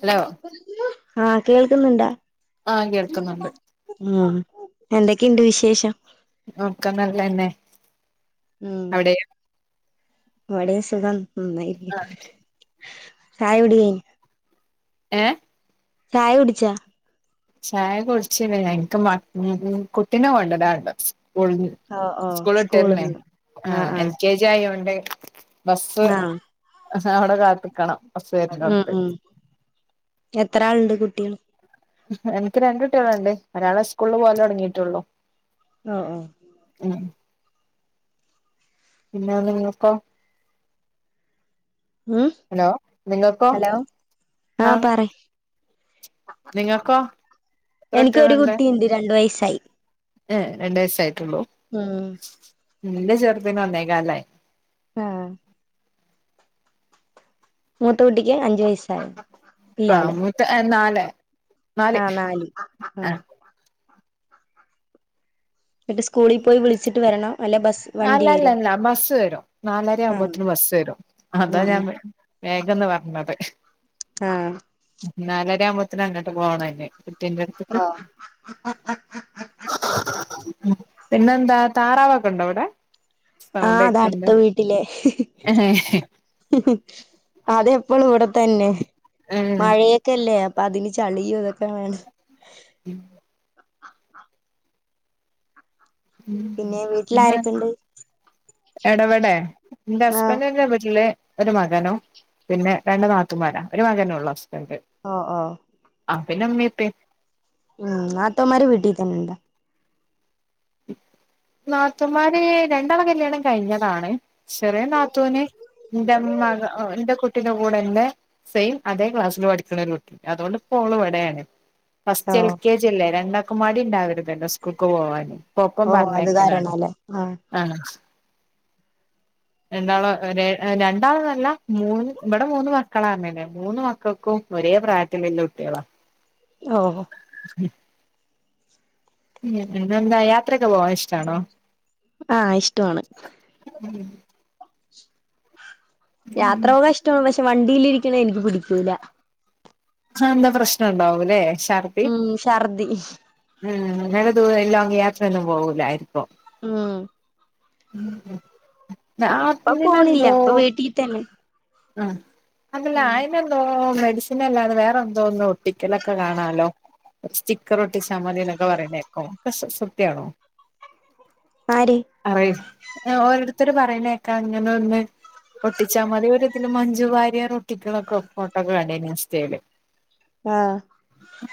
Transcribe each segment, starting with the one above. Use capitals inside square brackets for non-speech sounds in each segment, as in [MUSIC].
Hello ആ കേൾക്കുന്നുണ്ടാ ആഹ് കേൾക്കുന്നുണ്ട് ആ എന്തൊക്കെയുണ്ട് വിശേഷം ഒക്കെ നല്ലന്നെ ഉം അവിടെയോ ഇവിടേം സുഖം ആഹ് [UNINTELLIGIBLE] ചായ കുടി ഏ ചായ കുടിച്ചോ ചായ കുടിച്ചില്ല എനിക്ക് മ കുട്ടീനെ കൊണ്ടരാനുണ്ട് സ്കൂൾ ഓ ഓ സ്കൂൾ ഇട്ടിരുന്നേ സ്കൂളിന്ന് ആ ആഹ് എൽ ആഹ് കെ ജി ആയോണ്ട് ബസ്സ് ആഹ് അവിടെ കാത്തിക്കണം ബസ്സ് ഉം വരുന്നെടത്ത് ഉം എത്ര ആളുണ്ട് കുട്ടികൾ എനിക്ക് രണ്ടു കുട്ടികളുണ്ട് ഒരാള് സ്കൂളില് പോവലുതുടങ്ങീട്ടുള്ളു ഓ ഓ പിന്നെ നിങ്ങക്ക ഉം ഹലോ നിങ്ങക്കോ ഹലോ ആ ആഹ് പറയ് എത്ര എനിക്കൊരു കുട്ടിയുണ്ട് രണ്ടു വയസ്സായി ഏ രണ്ടുവയസായിട്ടൊള്ളൂ ഉം എൻറെ ചെറുതിന് ഒന്നേകാലായി ആഹ് മൂത്ത കുട്ടിക്ക് അഞ്ചുവയസ്സായി ആഹ് ഇല്ലാല്ലേ മൂത്ത നാല് ആ നാല് ഉം ആഹ് ന്ന്ട്ട് സ്കൂളിപോയി വിളിച്ചിട്ട് വരണം അല്ലല്ലല്ല ബസ്സുവരും ആഹ് നാലരയാമ്പത്തിന് ബസ്സുവരും ഉം അതാഞാൻ ഉം വേ വേഗം ന്ന് പറഞ്ഞത് ആ നാലരയാമ്പത്തിന് അങ്ങോട്ട് പോണം ഇനി ന്റെറെടുത്തക്ക് പിന്നെന്താ താറാവൊക്കെ ഉണ്ടോവിടെ ആ അത് അടുത്ത വീട്ടിലെ അതെപ്പോളും ഇവിടെതന്നെ ഏഹ് മഴയൊക്കെയല്ലേ അതിന് ചളിയും ഇതൊക്കെ വേണ്ടേ ഉം ഉം പിന്നെ വീട്ടിൽ പിന്നെ ആരൊക്കെണ്ട് എടവെടെ എൻറെ ആഹ് ഹസ്ബൻഡൊക്കെ വീട്ടില് ഒരു മകനും പിന്നെ രണ്ടു നാത്തൂന്മാരാ ഒരു മകനോയുള്ളോ ആ ആ പിന്നെ ഉമ്മേം ഉപ്പേം ഉം നാത്തൂൻമാര് വീട്ടിനിക്കുന്നൊണ്ടാ നാത്തുന്മാര് രണ്ടാള് കല്യാണം കഴിഞ്ഞതാണ് ചെറിയനാത്തൂന് എന്റെമ്മക എന്റെ കുട്ട് കുട്ടീന്റ്റെ കൂടെയുണ്ട് സെയിം അതെ ക്ലാസ്സിൽ പഠിക്കണ ഒരു കുട്ടി അതുകൊണ്ടിപ്പോള് ഇവിടെയാണ് ഓ ഫസ്റ്റ് എൽ കെ ജി യല്ലേ രണ്ടാക്കും മടിയുണ്ടാവരുതല്ലോ സ്കൂക്ക് പോവാന് ഇപ്പൊ ഒപ്പം ഓ അതുകാരണം പറഞ്ഞേക്കലാണ് അല്ലേ ആ രണ്ടാളോ രെ രണ്ടാളെന്നല്ല മൂന്ന് ഇവിടെ മൂന്നുമക്കളാണല്ലേ മൂന്നുമക്കൾ ക്കും ഒരേ പ്രായത്തിലുള്ള കുട്ടികളാ ഓ [UNINTELLIGIBLE] ഉം പിന്നെന്താ യാത്രൊക്കെ പോവാൻ ഇഷ്ടാണോ ആ ഇഷ്ടമാണ് ഉം യാത്ര പോകാൻ ഇഷ്ടമാണ്, പക്ഷെ വണ്ടിയിലിരിക്കുന്ന എനിക്ക് പിടിക്കൂല. ആഹഎന്താ പ്രശ്നം ഇണ്ടാവുംല്ലേ? ഉം ശർദി. ഉം നല്ല ദൂരെ ലോങ്ങ്‌ യാത്രൊന്നും പോകൂലായിരിക്കും. ഉം. ഉം ഉം ല്ലാ അ ഇപ്പൊ [UNINTELLIGIBLE] പോണില്ല നെന്തോ ഇപ്പൊ വീട്ടിൽ തന്നെ ആഹ് അതല്ല ഉം അയിനെന്തോന്ന് മെഡിസിനല്ലാതെ വേറെ എന്തോന്ന്, ഒട്ടിക്കലൊക്കെ കാണാലോ? സ്റ്റിക്കറൊട്ടിച്ചാ മതീന്നൊക്കെ പറയുന്നേക്കും അ സ് സത്യാണോ? ആര്? പറയും ന്നെ ഓരോരുത്തര് പറയണേക്കാ ഇങ്ങനൊന്ന് ഒട്ടിച്ചാ മതി ഒരിതില് മഞ്ചു വാര്യർ ഒട്ടിക്കണൊക്കെ ഫോട്ടോക്കെ കാണ്ടിനു ഇൻസ്റ്റയില്. ആഹ്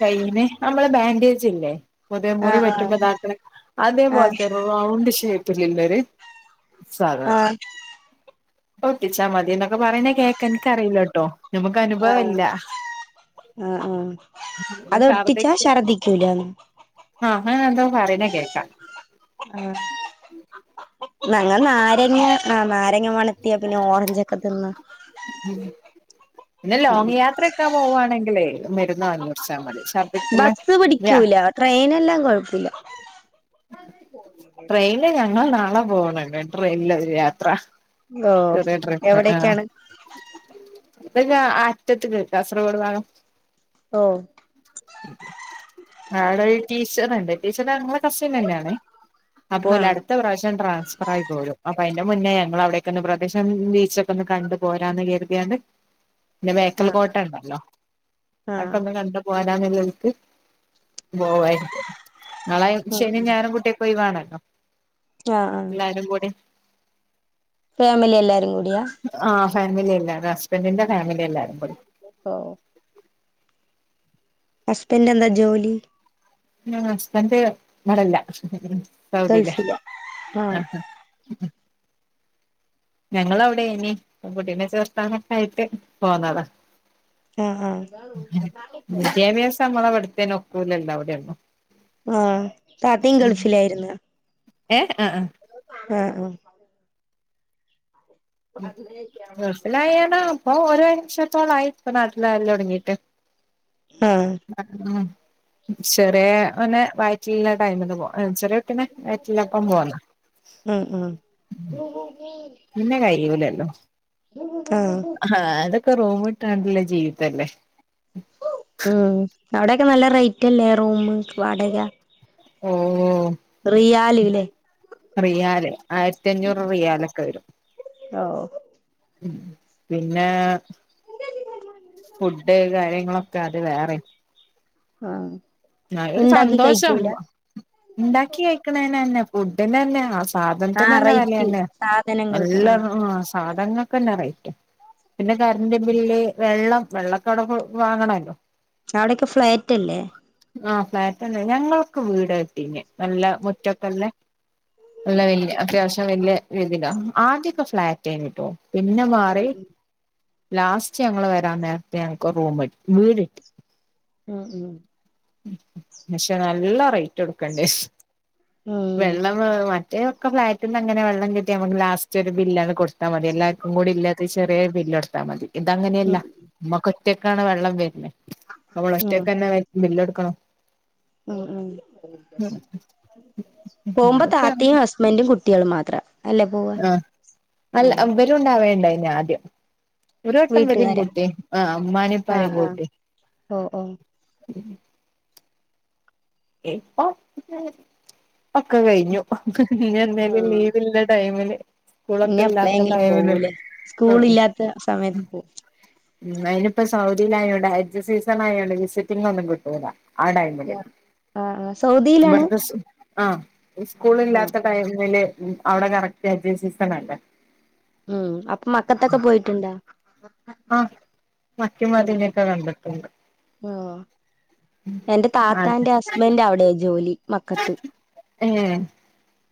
കൈന് നമ്മളെ ബാൻഡേജ്ല്ലേ? മുതെ ആഹ് മുറിപറ്റുമ്പോ ഇതാക്കന്നെ ആഹ് അതേപോലെത്തെ റൗണ്ട് ഷേപ്പില്ലേ ഒരു. ആഹ് സാധനം ആഹ് അതൊട്ടിച്ചാ മതിന്നൊക്കെ പറീണ കേക്കാ ഇൻക്കറീല്ലാട്ടോ ഞമ്മക്ക് ആഹ് അനുഭവല്ല ആഹ് ആഹ് അതൊട്ടിച്ചാ ശർദ്ദിക്കൂലാന് ആഹ് അങ്ങനെന്തോ പറീണ കേക്കാ ആഹ് ഞങ്ങൾ നാരങ്ങ ആ നാരങ്ങ മണത്തിയേ പിന്നെ ഓറഞ്ചോക്കെ തിന്ന് ഉം പിന്നെ ഉം ലോങ്ങ് യാത്രൊക്കാ പോവാണെങ്കിലേ മരുന്ന് വാങ്ങിയേച്ചാ മതി ഛർദിക്കുള്ള ബസ്സ് യാ പിടിക്കൂല ട്രെയിനെല്ലാം കൊഴപ്പില്ല. ട്രെയിനില് ഞങ്ങള് നാളെ പോണ്ണ്ട് ട്രെയിന്ലൊരു യാത്ര ഓ പുതിയ ട്രെൻഡ് അഹ് ആഹ് എവിടേക്കാണ് ഇ [UNINTELLIGIBLE] അറ്റത്ത്ക്ക് കാസർഗോഡ് ഭാഗം ഓ ആളരു ടീച്ചറല്ലെ ടീച്ചർടെ [UNINTELLIGIBLE] കസിന്നെയാണേ ആഹ് അപ്പോലടുത്ത പ്രവശ്യം ട്രാ സ്പറായി പോരും അപ്പൊ അയിന്റെ മുന്നേ ഞങ്ങൾ അവിടൊക്കെയൊന്ന് പ്രദേശം ബീച്ചൊക്കെ ഒന്ന് കണ്ടു പോരാന്ന് കരുതിയാണ്ട് പിന്നെ ബേക്കൽ ആഹ് കോട്ട ഒണ്ടല്ലോ ആഹ് അയ്ക്കൊന്ന് കണ്ട് പോരാന്നൊല്ല വിധത്തിൽ ബോവായിരിക്കും നാളെ ശനി ഞായറും കുട്ടിയക്ക് ഒഴിവാണല്ലോ ആഹ് ആഹ് എല്ലാരും കൂടി ഫാമിലി എല്ലാരും കൂടിയാ ഫാമിലിയല്ലാതെ ഹസ്ബൻഡിന്റെ ഫാമിലിയെല്ലാരും കൂടി ഓ ഹസ്ബന്റെന്താ ജോലി? [UNINTELLIGIBLE] ഹസ്ബന്റ് ഇവടല്ല സൗദിയിലാ ഗൾഫിലാ ആഹ് ആഹ് ഞങ്ങളവിടെനി കുട്ടീനെ ചെർത്താനോക്കെ ആയിട്ട് പോന്നതാ ആഹ് ആഹ് വിദ്യാഭ്യാസം നമ്മളെ അവിടുത്തേന് ഒക്കൂലല്ലോ അവിടെയൊന്നും ഉം താത്തിൻ ഗൾഫിലായിരുന്ന് ഏഹ് ഉം ഉം ഉം ഗൾഫിലായ കാരണം അപ്പൊ ഓരോ ഷത്തോളായി ഇപ്പ നാട്ടിലായല് തൊടങ്ങീട്ട് ആഹ് ആഹ് ചെറിയ ഓനെ വയിറ്റിലുള്ള ടൈമ്ന്ന് പോ എന്ന് വെ പിന്നെ വയറ്റി [UNINTELLIGIBLE] പോന്ന ഉം ഉം പിന്നെ കഴിയൂലല്ലോ ആഹ് ഹാ അതൊ ക്കെ റോബോട്ടാണ്ടല്ലേ ജീവിതല്ലേ ഉം അവിടെക്കെ നല്ല റേയ്റ്റല്ലേ റൂമ് വാടക ഓ റിയാല് ല്ലേ റിയാല് ആയിരത്തിയഞ്ഞൂറ് റിയാലൊക്കെ വരും. ഹ് ഓ. പിന്നേ ഫുഡ് കാര്യങ്ങളൊക്കെ അത് വേറെം. ഹാ ന്നാലൊരു സന്തോഷം. ണ്ടാക്കി കഴിക്കണേനന്നെ ഫുഡിനന്നെ ആ ആ സാധനത്തിനെന്നെ റേറ്റ് വിലേന്നെ. സാധനങ്ങൾക്ക് നല്ല ആ സാധങ്ങൾക്കെന്നെ റേറ്റാ. പിന്നെ കരന്റ് ബില്ല് വെള്ളം വെള്ളൊക്കെ അവടെ വാങ്ങണെല്ലോ, അവിടൊക്കെ ഫ്ലാറ്റല്ലേ? ആ ഫ്ലാറ്റെന്നെ ഞങ്ങൾക്ക് വീട് കിട്ടിനെ നല്ല മുറ്റക്കെല്ലെ. ഉള്ള വല്യ അത്യാവശ്യം വല്യ വീതിയിണ്ടൊ? ആദ്യൊക്കെ ഫ്ലാറ്റേര്ന്ന്ട്ടോ. പിന്നെ മാറി. ലാസ്റ്റ് ഞങ്ങള് വരാൻ നേര്ത്ത് ഞങ്ങക്ക് റൂം, വീട് ഇട്ടി. ഉം ഉം പക്ഷെ നല്ല റേറ്റ് എടുക്കണ്ടേ ശ് ഉം വെള്ളം. [UNINTELLIGIBLE] [UNINTELLIGIBLE] ഒക്കെ ഫ്ളാറ്റിന്നങ്ങനെ വെള്ളം കിട്ടി നമുക്ക് ലാസ്റ്റൊരു ബില്ലങ്ങ് കൊടുത്താ മതി എല്ലാവർക്കും കൂടില്ലത് ചെറിയൊരു ബില്ല്. ല്ലോടുത്താ മതി. ഇതങ്ങനെയല്ല ഉം നമുക്ക് ഒറ്റക്കാണ്. വെള്ളം വരണേ നമ്മൾ ഉം ഒറ്റക്കെന്നെ ബില്ല് ക്ക. ഉം ഉ പോവുമ്പോ അങ്ങനെയൊക്കെയാണ് താത്തിം ഹസ്ബൻറും കുട്ടികളും മാത്രം. ആ അല്ലഅവരുംണ്ടാവേണ്ടേ ആദ്യം? ഒരു വട്ടം വരെയും വീട്ടുകാരാ കൂട്ടി ആ മ്മാനി പ്പാനിം ആഹ് ആഹ് കൂട്ടി. ഓ ഓ ഉം [INAUDIBLE] ഇപ്പോ [UNINTELLIGIBLE] ഒക്കെ കഴിഞ്ഞു ആ ഇന്നെന്നേലും ലീവ്ള്ള ടൈമില്. ഇനി കുളക്കല്ലാത്ത എപ്പളെങ്കിലും ടൈമില് പോവൂലേ ആ സ്കൂൾ ഇല്ലാത്ത സമയത്ത് ഉം അയിനിപ്പ സ് സൗദീലായോണ്ടെ ഹജ്ജ് സീസണായോണ്ടെ വിസിറ്റിംഗ് ഒന്നും കിട്ടൂല്ല ആ ടൈമില് പോവും ആ ആ സൗദീലാണ് ഇവിടുത്തെ സ് ആഹ് ഈ സ്കൂളില്ലാത്ത ടൈമില് അവിടെ കറക്റ്റ് ഹജ്ജ് സീസണാണ് ഉം അപ്പൊ മക്കത്തൊക്ക പോയിട്ടുണ്ടാ? ആഹ് മക്കേമതിനെക്ക കണ്ടിട്ടുണ്ട് ഓ എന്റെ അതെ താത്താന്റെ ഹസ്ബന്റ് അവിടെ ജോലി മക്കത്ത് ഏഹ്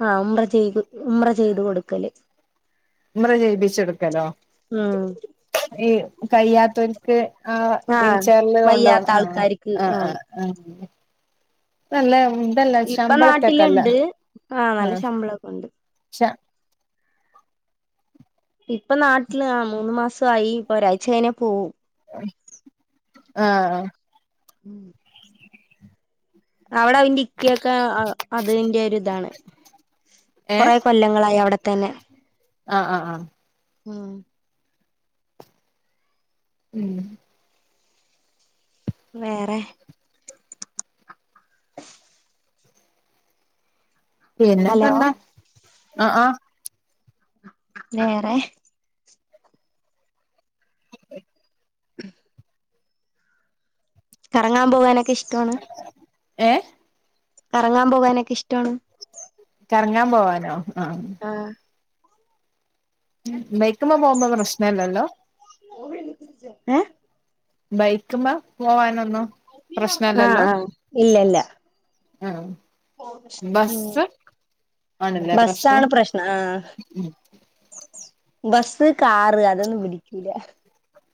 ആഹ് ഉമ്ര ചെയ്തു ഉമ്ര ചെയ്തു കൊടുക്കല് മ്ര ജയിപ്പിച്ചെടുക്കലോ ഉം ഈ കയ്യാത്തോര്ക്ക് ആ ആഹ് വീൽച്ചേറില് കൊണ്ടോണം. വയ്യാത്ത ആ ആൾക്കാർക്ക് ആ ആ ആഹ് ആ നല്ല ഇതല്ല ഇപ്പൊ ശമ്പളത്തെക്കല്ല നാട്ടിലുണ്ട് ആഹ് ആ നല്ല ശമ്പളൊക്കെ ഉണ്ട് ശ ഇപ്പ നാട്ടില് മൂന്ന് മാസായി ഇപ്പ ഒരാഴ്ച കഴിഞ്ഞാ പോവും ആഹ് ഉം അവട എന്റ ഇക്കേക്ക ആ അതിന്റെ ഒരിതാണ് കൊറേ കൊല്ലങ്ങളായവിടെ തന്നെ ആഹ ആഹ ആഹ ഉം ഉം വേറെ ഹലോ പിന്നെപ്പന്താ ആ ആ വേറെ അ ഉ കറങ്ങാൻ പോകാനൊക്കെ ഇഷ്ടമാണ് ഏഹ ഇറങ്ങാൻ പോകാനൊക്കെ ഇഷ്ടമാണ് ഇറങ്ങാൻ പോവാനോ ആ ആഹ് ഉ മൈക്കമ്മമാമ്മ പ്രശ്ന അല്ലല്ലോ ഏ ബൈക്ക്പ പോവാനോ ആഹ ആഹ ഇല്ല ഇല്ല ആഹ ഉം ബസ്സാണ് പ്രശ്നം ആഹ ഉം ബസ്സ് കാറ് അതൊന്നും പിടിക്കുല്ല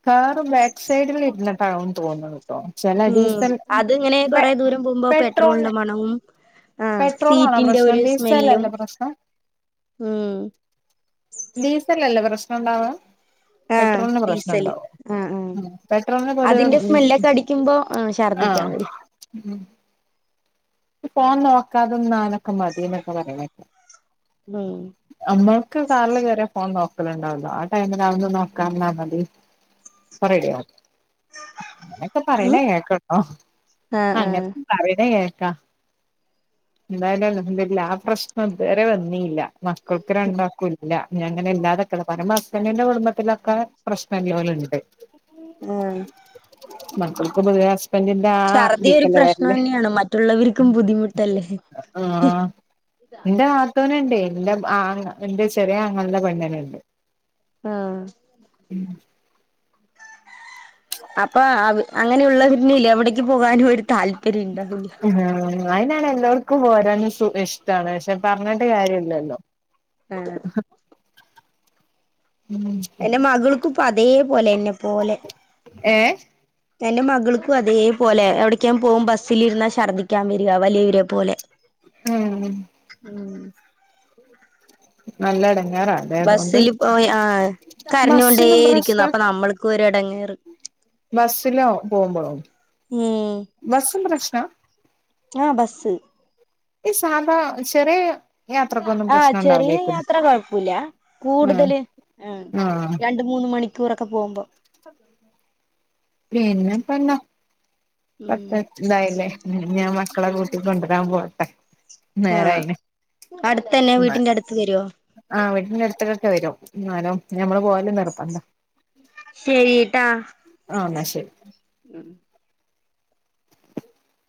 കാറ് ബാക്ക് സൈഡില് ഇരുന്നിട്ടാന്ന് തോന്നത് ചില ഉം ഡീസൺ അതിങ്ങനെ പെ കൊറെ ദൂരം പോകുമ്പോ പെട്രോളിന്റെ പെട്രോള്ന് മണവും പെട്രോളാണോ സീറ്റിന്റെ ഒരു പ്രശ്നം സ്മെല്ലും ഡീസലല്ലേ പ്രശ്നം ഉം ഡീസലല്ലേ പ്രശ്നുണ്ടാവ ആഹ് ഡീസല് ആഹ് ആഹ് ഉം പെട്രോളിന് പൊതുവെ അതിന്റെ ഉം സ്മെല്ലൊക്കെ അടിക്കുമ്പോ ശ ഷർധിക്കാൻ വരും ഉം ഫോൺ നോക്കാതന്നാനൊക്കെ മതി എന്നൊക്കെ പറയണെക്ക ഉം നമ്മൾക്ക് കാറില് കേറിയ ഫോൺ നോക്കലുണ്ടാവുല്ലോ ആ ടൈമിൽ [UNINTELLIGIBLE] നോക്കാ നിന്ന മതി ഇപ്പോ റെഡി ആവും അങ്ങനൊക്ക പറയണ കേക്കട്ടോ ആഹ് അങ്ങനെ പറയണ കേ ക്കാ എന്തായാലും അൽഹംദുലില്ലാഹ് ആ പ്രശ്നം ഇതുവരെ വന്നിയില്ല മക്കൾക്ക് രണ്ടാൾക്കുവില്ല ഇനി അങ്ങനെ ഇല്ലാതാക്ക അനിയന്റെ കുടുംബത്തിലൊക്കെ പ്രശ്നങ്ങലുണ്ട് ആഹ് മക്കൾക്ക്‌ പുതിയ അസ് ഛർദി ഒരു പ്രശ്നം തന്നെയാണ് മറ്റുള്ളവർക്കും ബുദ്ധിമുട്ടല്ലേ ആഹ് ഇന്റെ നുണ്ടെ എന്റെ ആഹ് എന്റെ ചെറിയ ആങ്ങളുടെ പെണ്ണിനുണ്ട് ആഹ് അപ്പൊ അങ്ങനെയുള്ളവരില്ലേ എവിടേക്ക് പോകാനും ഒരു താല്പര്യം ഇണ്ടാവുല്ല അയിനാണ് എല്ലാവർക്കും ഓരോന്ന് സുധിഷ്ട്ടാണ് പക്ഷെ പറഞ്ഞിട്ട് കാര്യല്ലല്ലോ ആഹ് ഉം അപ്പം അതേപോലെ എന്നെ പോലെ ഏ എൻറെ മകൾക്കും അതേ പോലെ എവിട്ക്കേം പോവും ബസ്സിലിരുന്നാ ഛർദിക്കാൻ വരിക വലിയവരെ പോലെ ഉം ഉം നല്ലട ബസ്സിൽ പോയി ആ കരഞ്ഞൊണ്ടേ ബസ്സിനും ഇരിക്കുന്നു അപ്പൊ നമ്മൾക്ക് ഒരെടങ്ങേറ് ബസ്സിലൊ പോകുമ്പളോ ഉം ബസ്സ് പ്രശ്നാ ആഹ് ബസ്സ് ഈ സാധാ ചെറിയ യാത്രക്കൊന്നും ആഹ് പ്രശ്നം ചെറിയ ഉണ്ടാവില്ലേക്കും യാത്ര കുഴപ്പുല്ല ആഹ് കൂടുതൽ ആ ആഹ് രണ്ട് മൂന്ന് മണി ടൂറൊക്കെ പോകുമ്പോ പിന്നെപ്പെന്താ ഉം പത്ത് ഇതായില്ലേ ഞാൻ മക്കളെ കൂട്ടി കൊണ്ടരാൻ പോട്ടെ ആഹ് നേരായിണ് അടുത്തന്നെ വീട്ടിന്റെ അടുത്ത് വരോ ആ വീടിന്റെ അടുത്തക്കൊക്കെ വരും എന്നാലും ഞമ്മള് പോയലും നിർത്തണ്ട ശരിട്ടാ ആ എന്നാ ശരി ഉം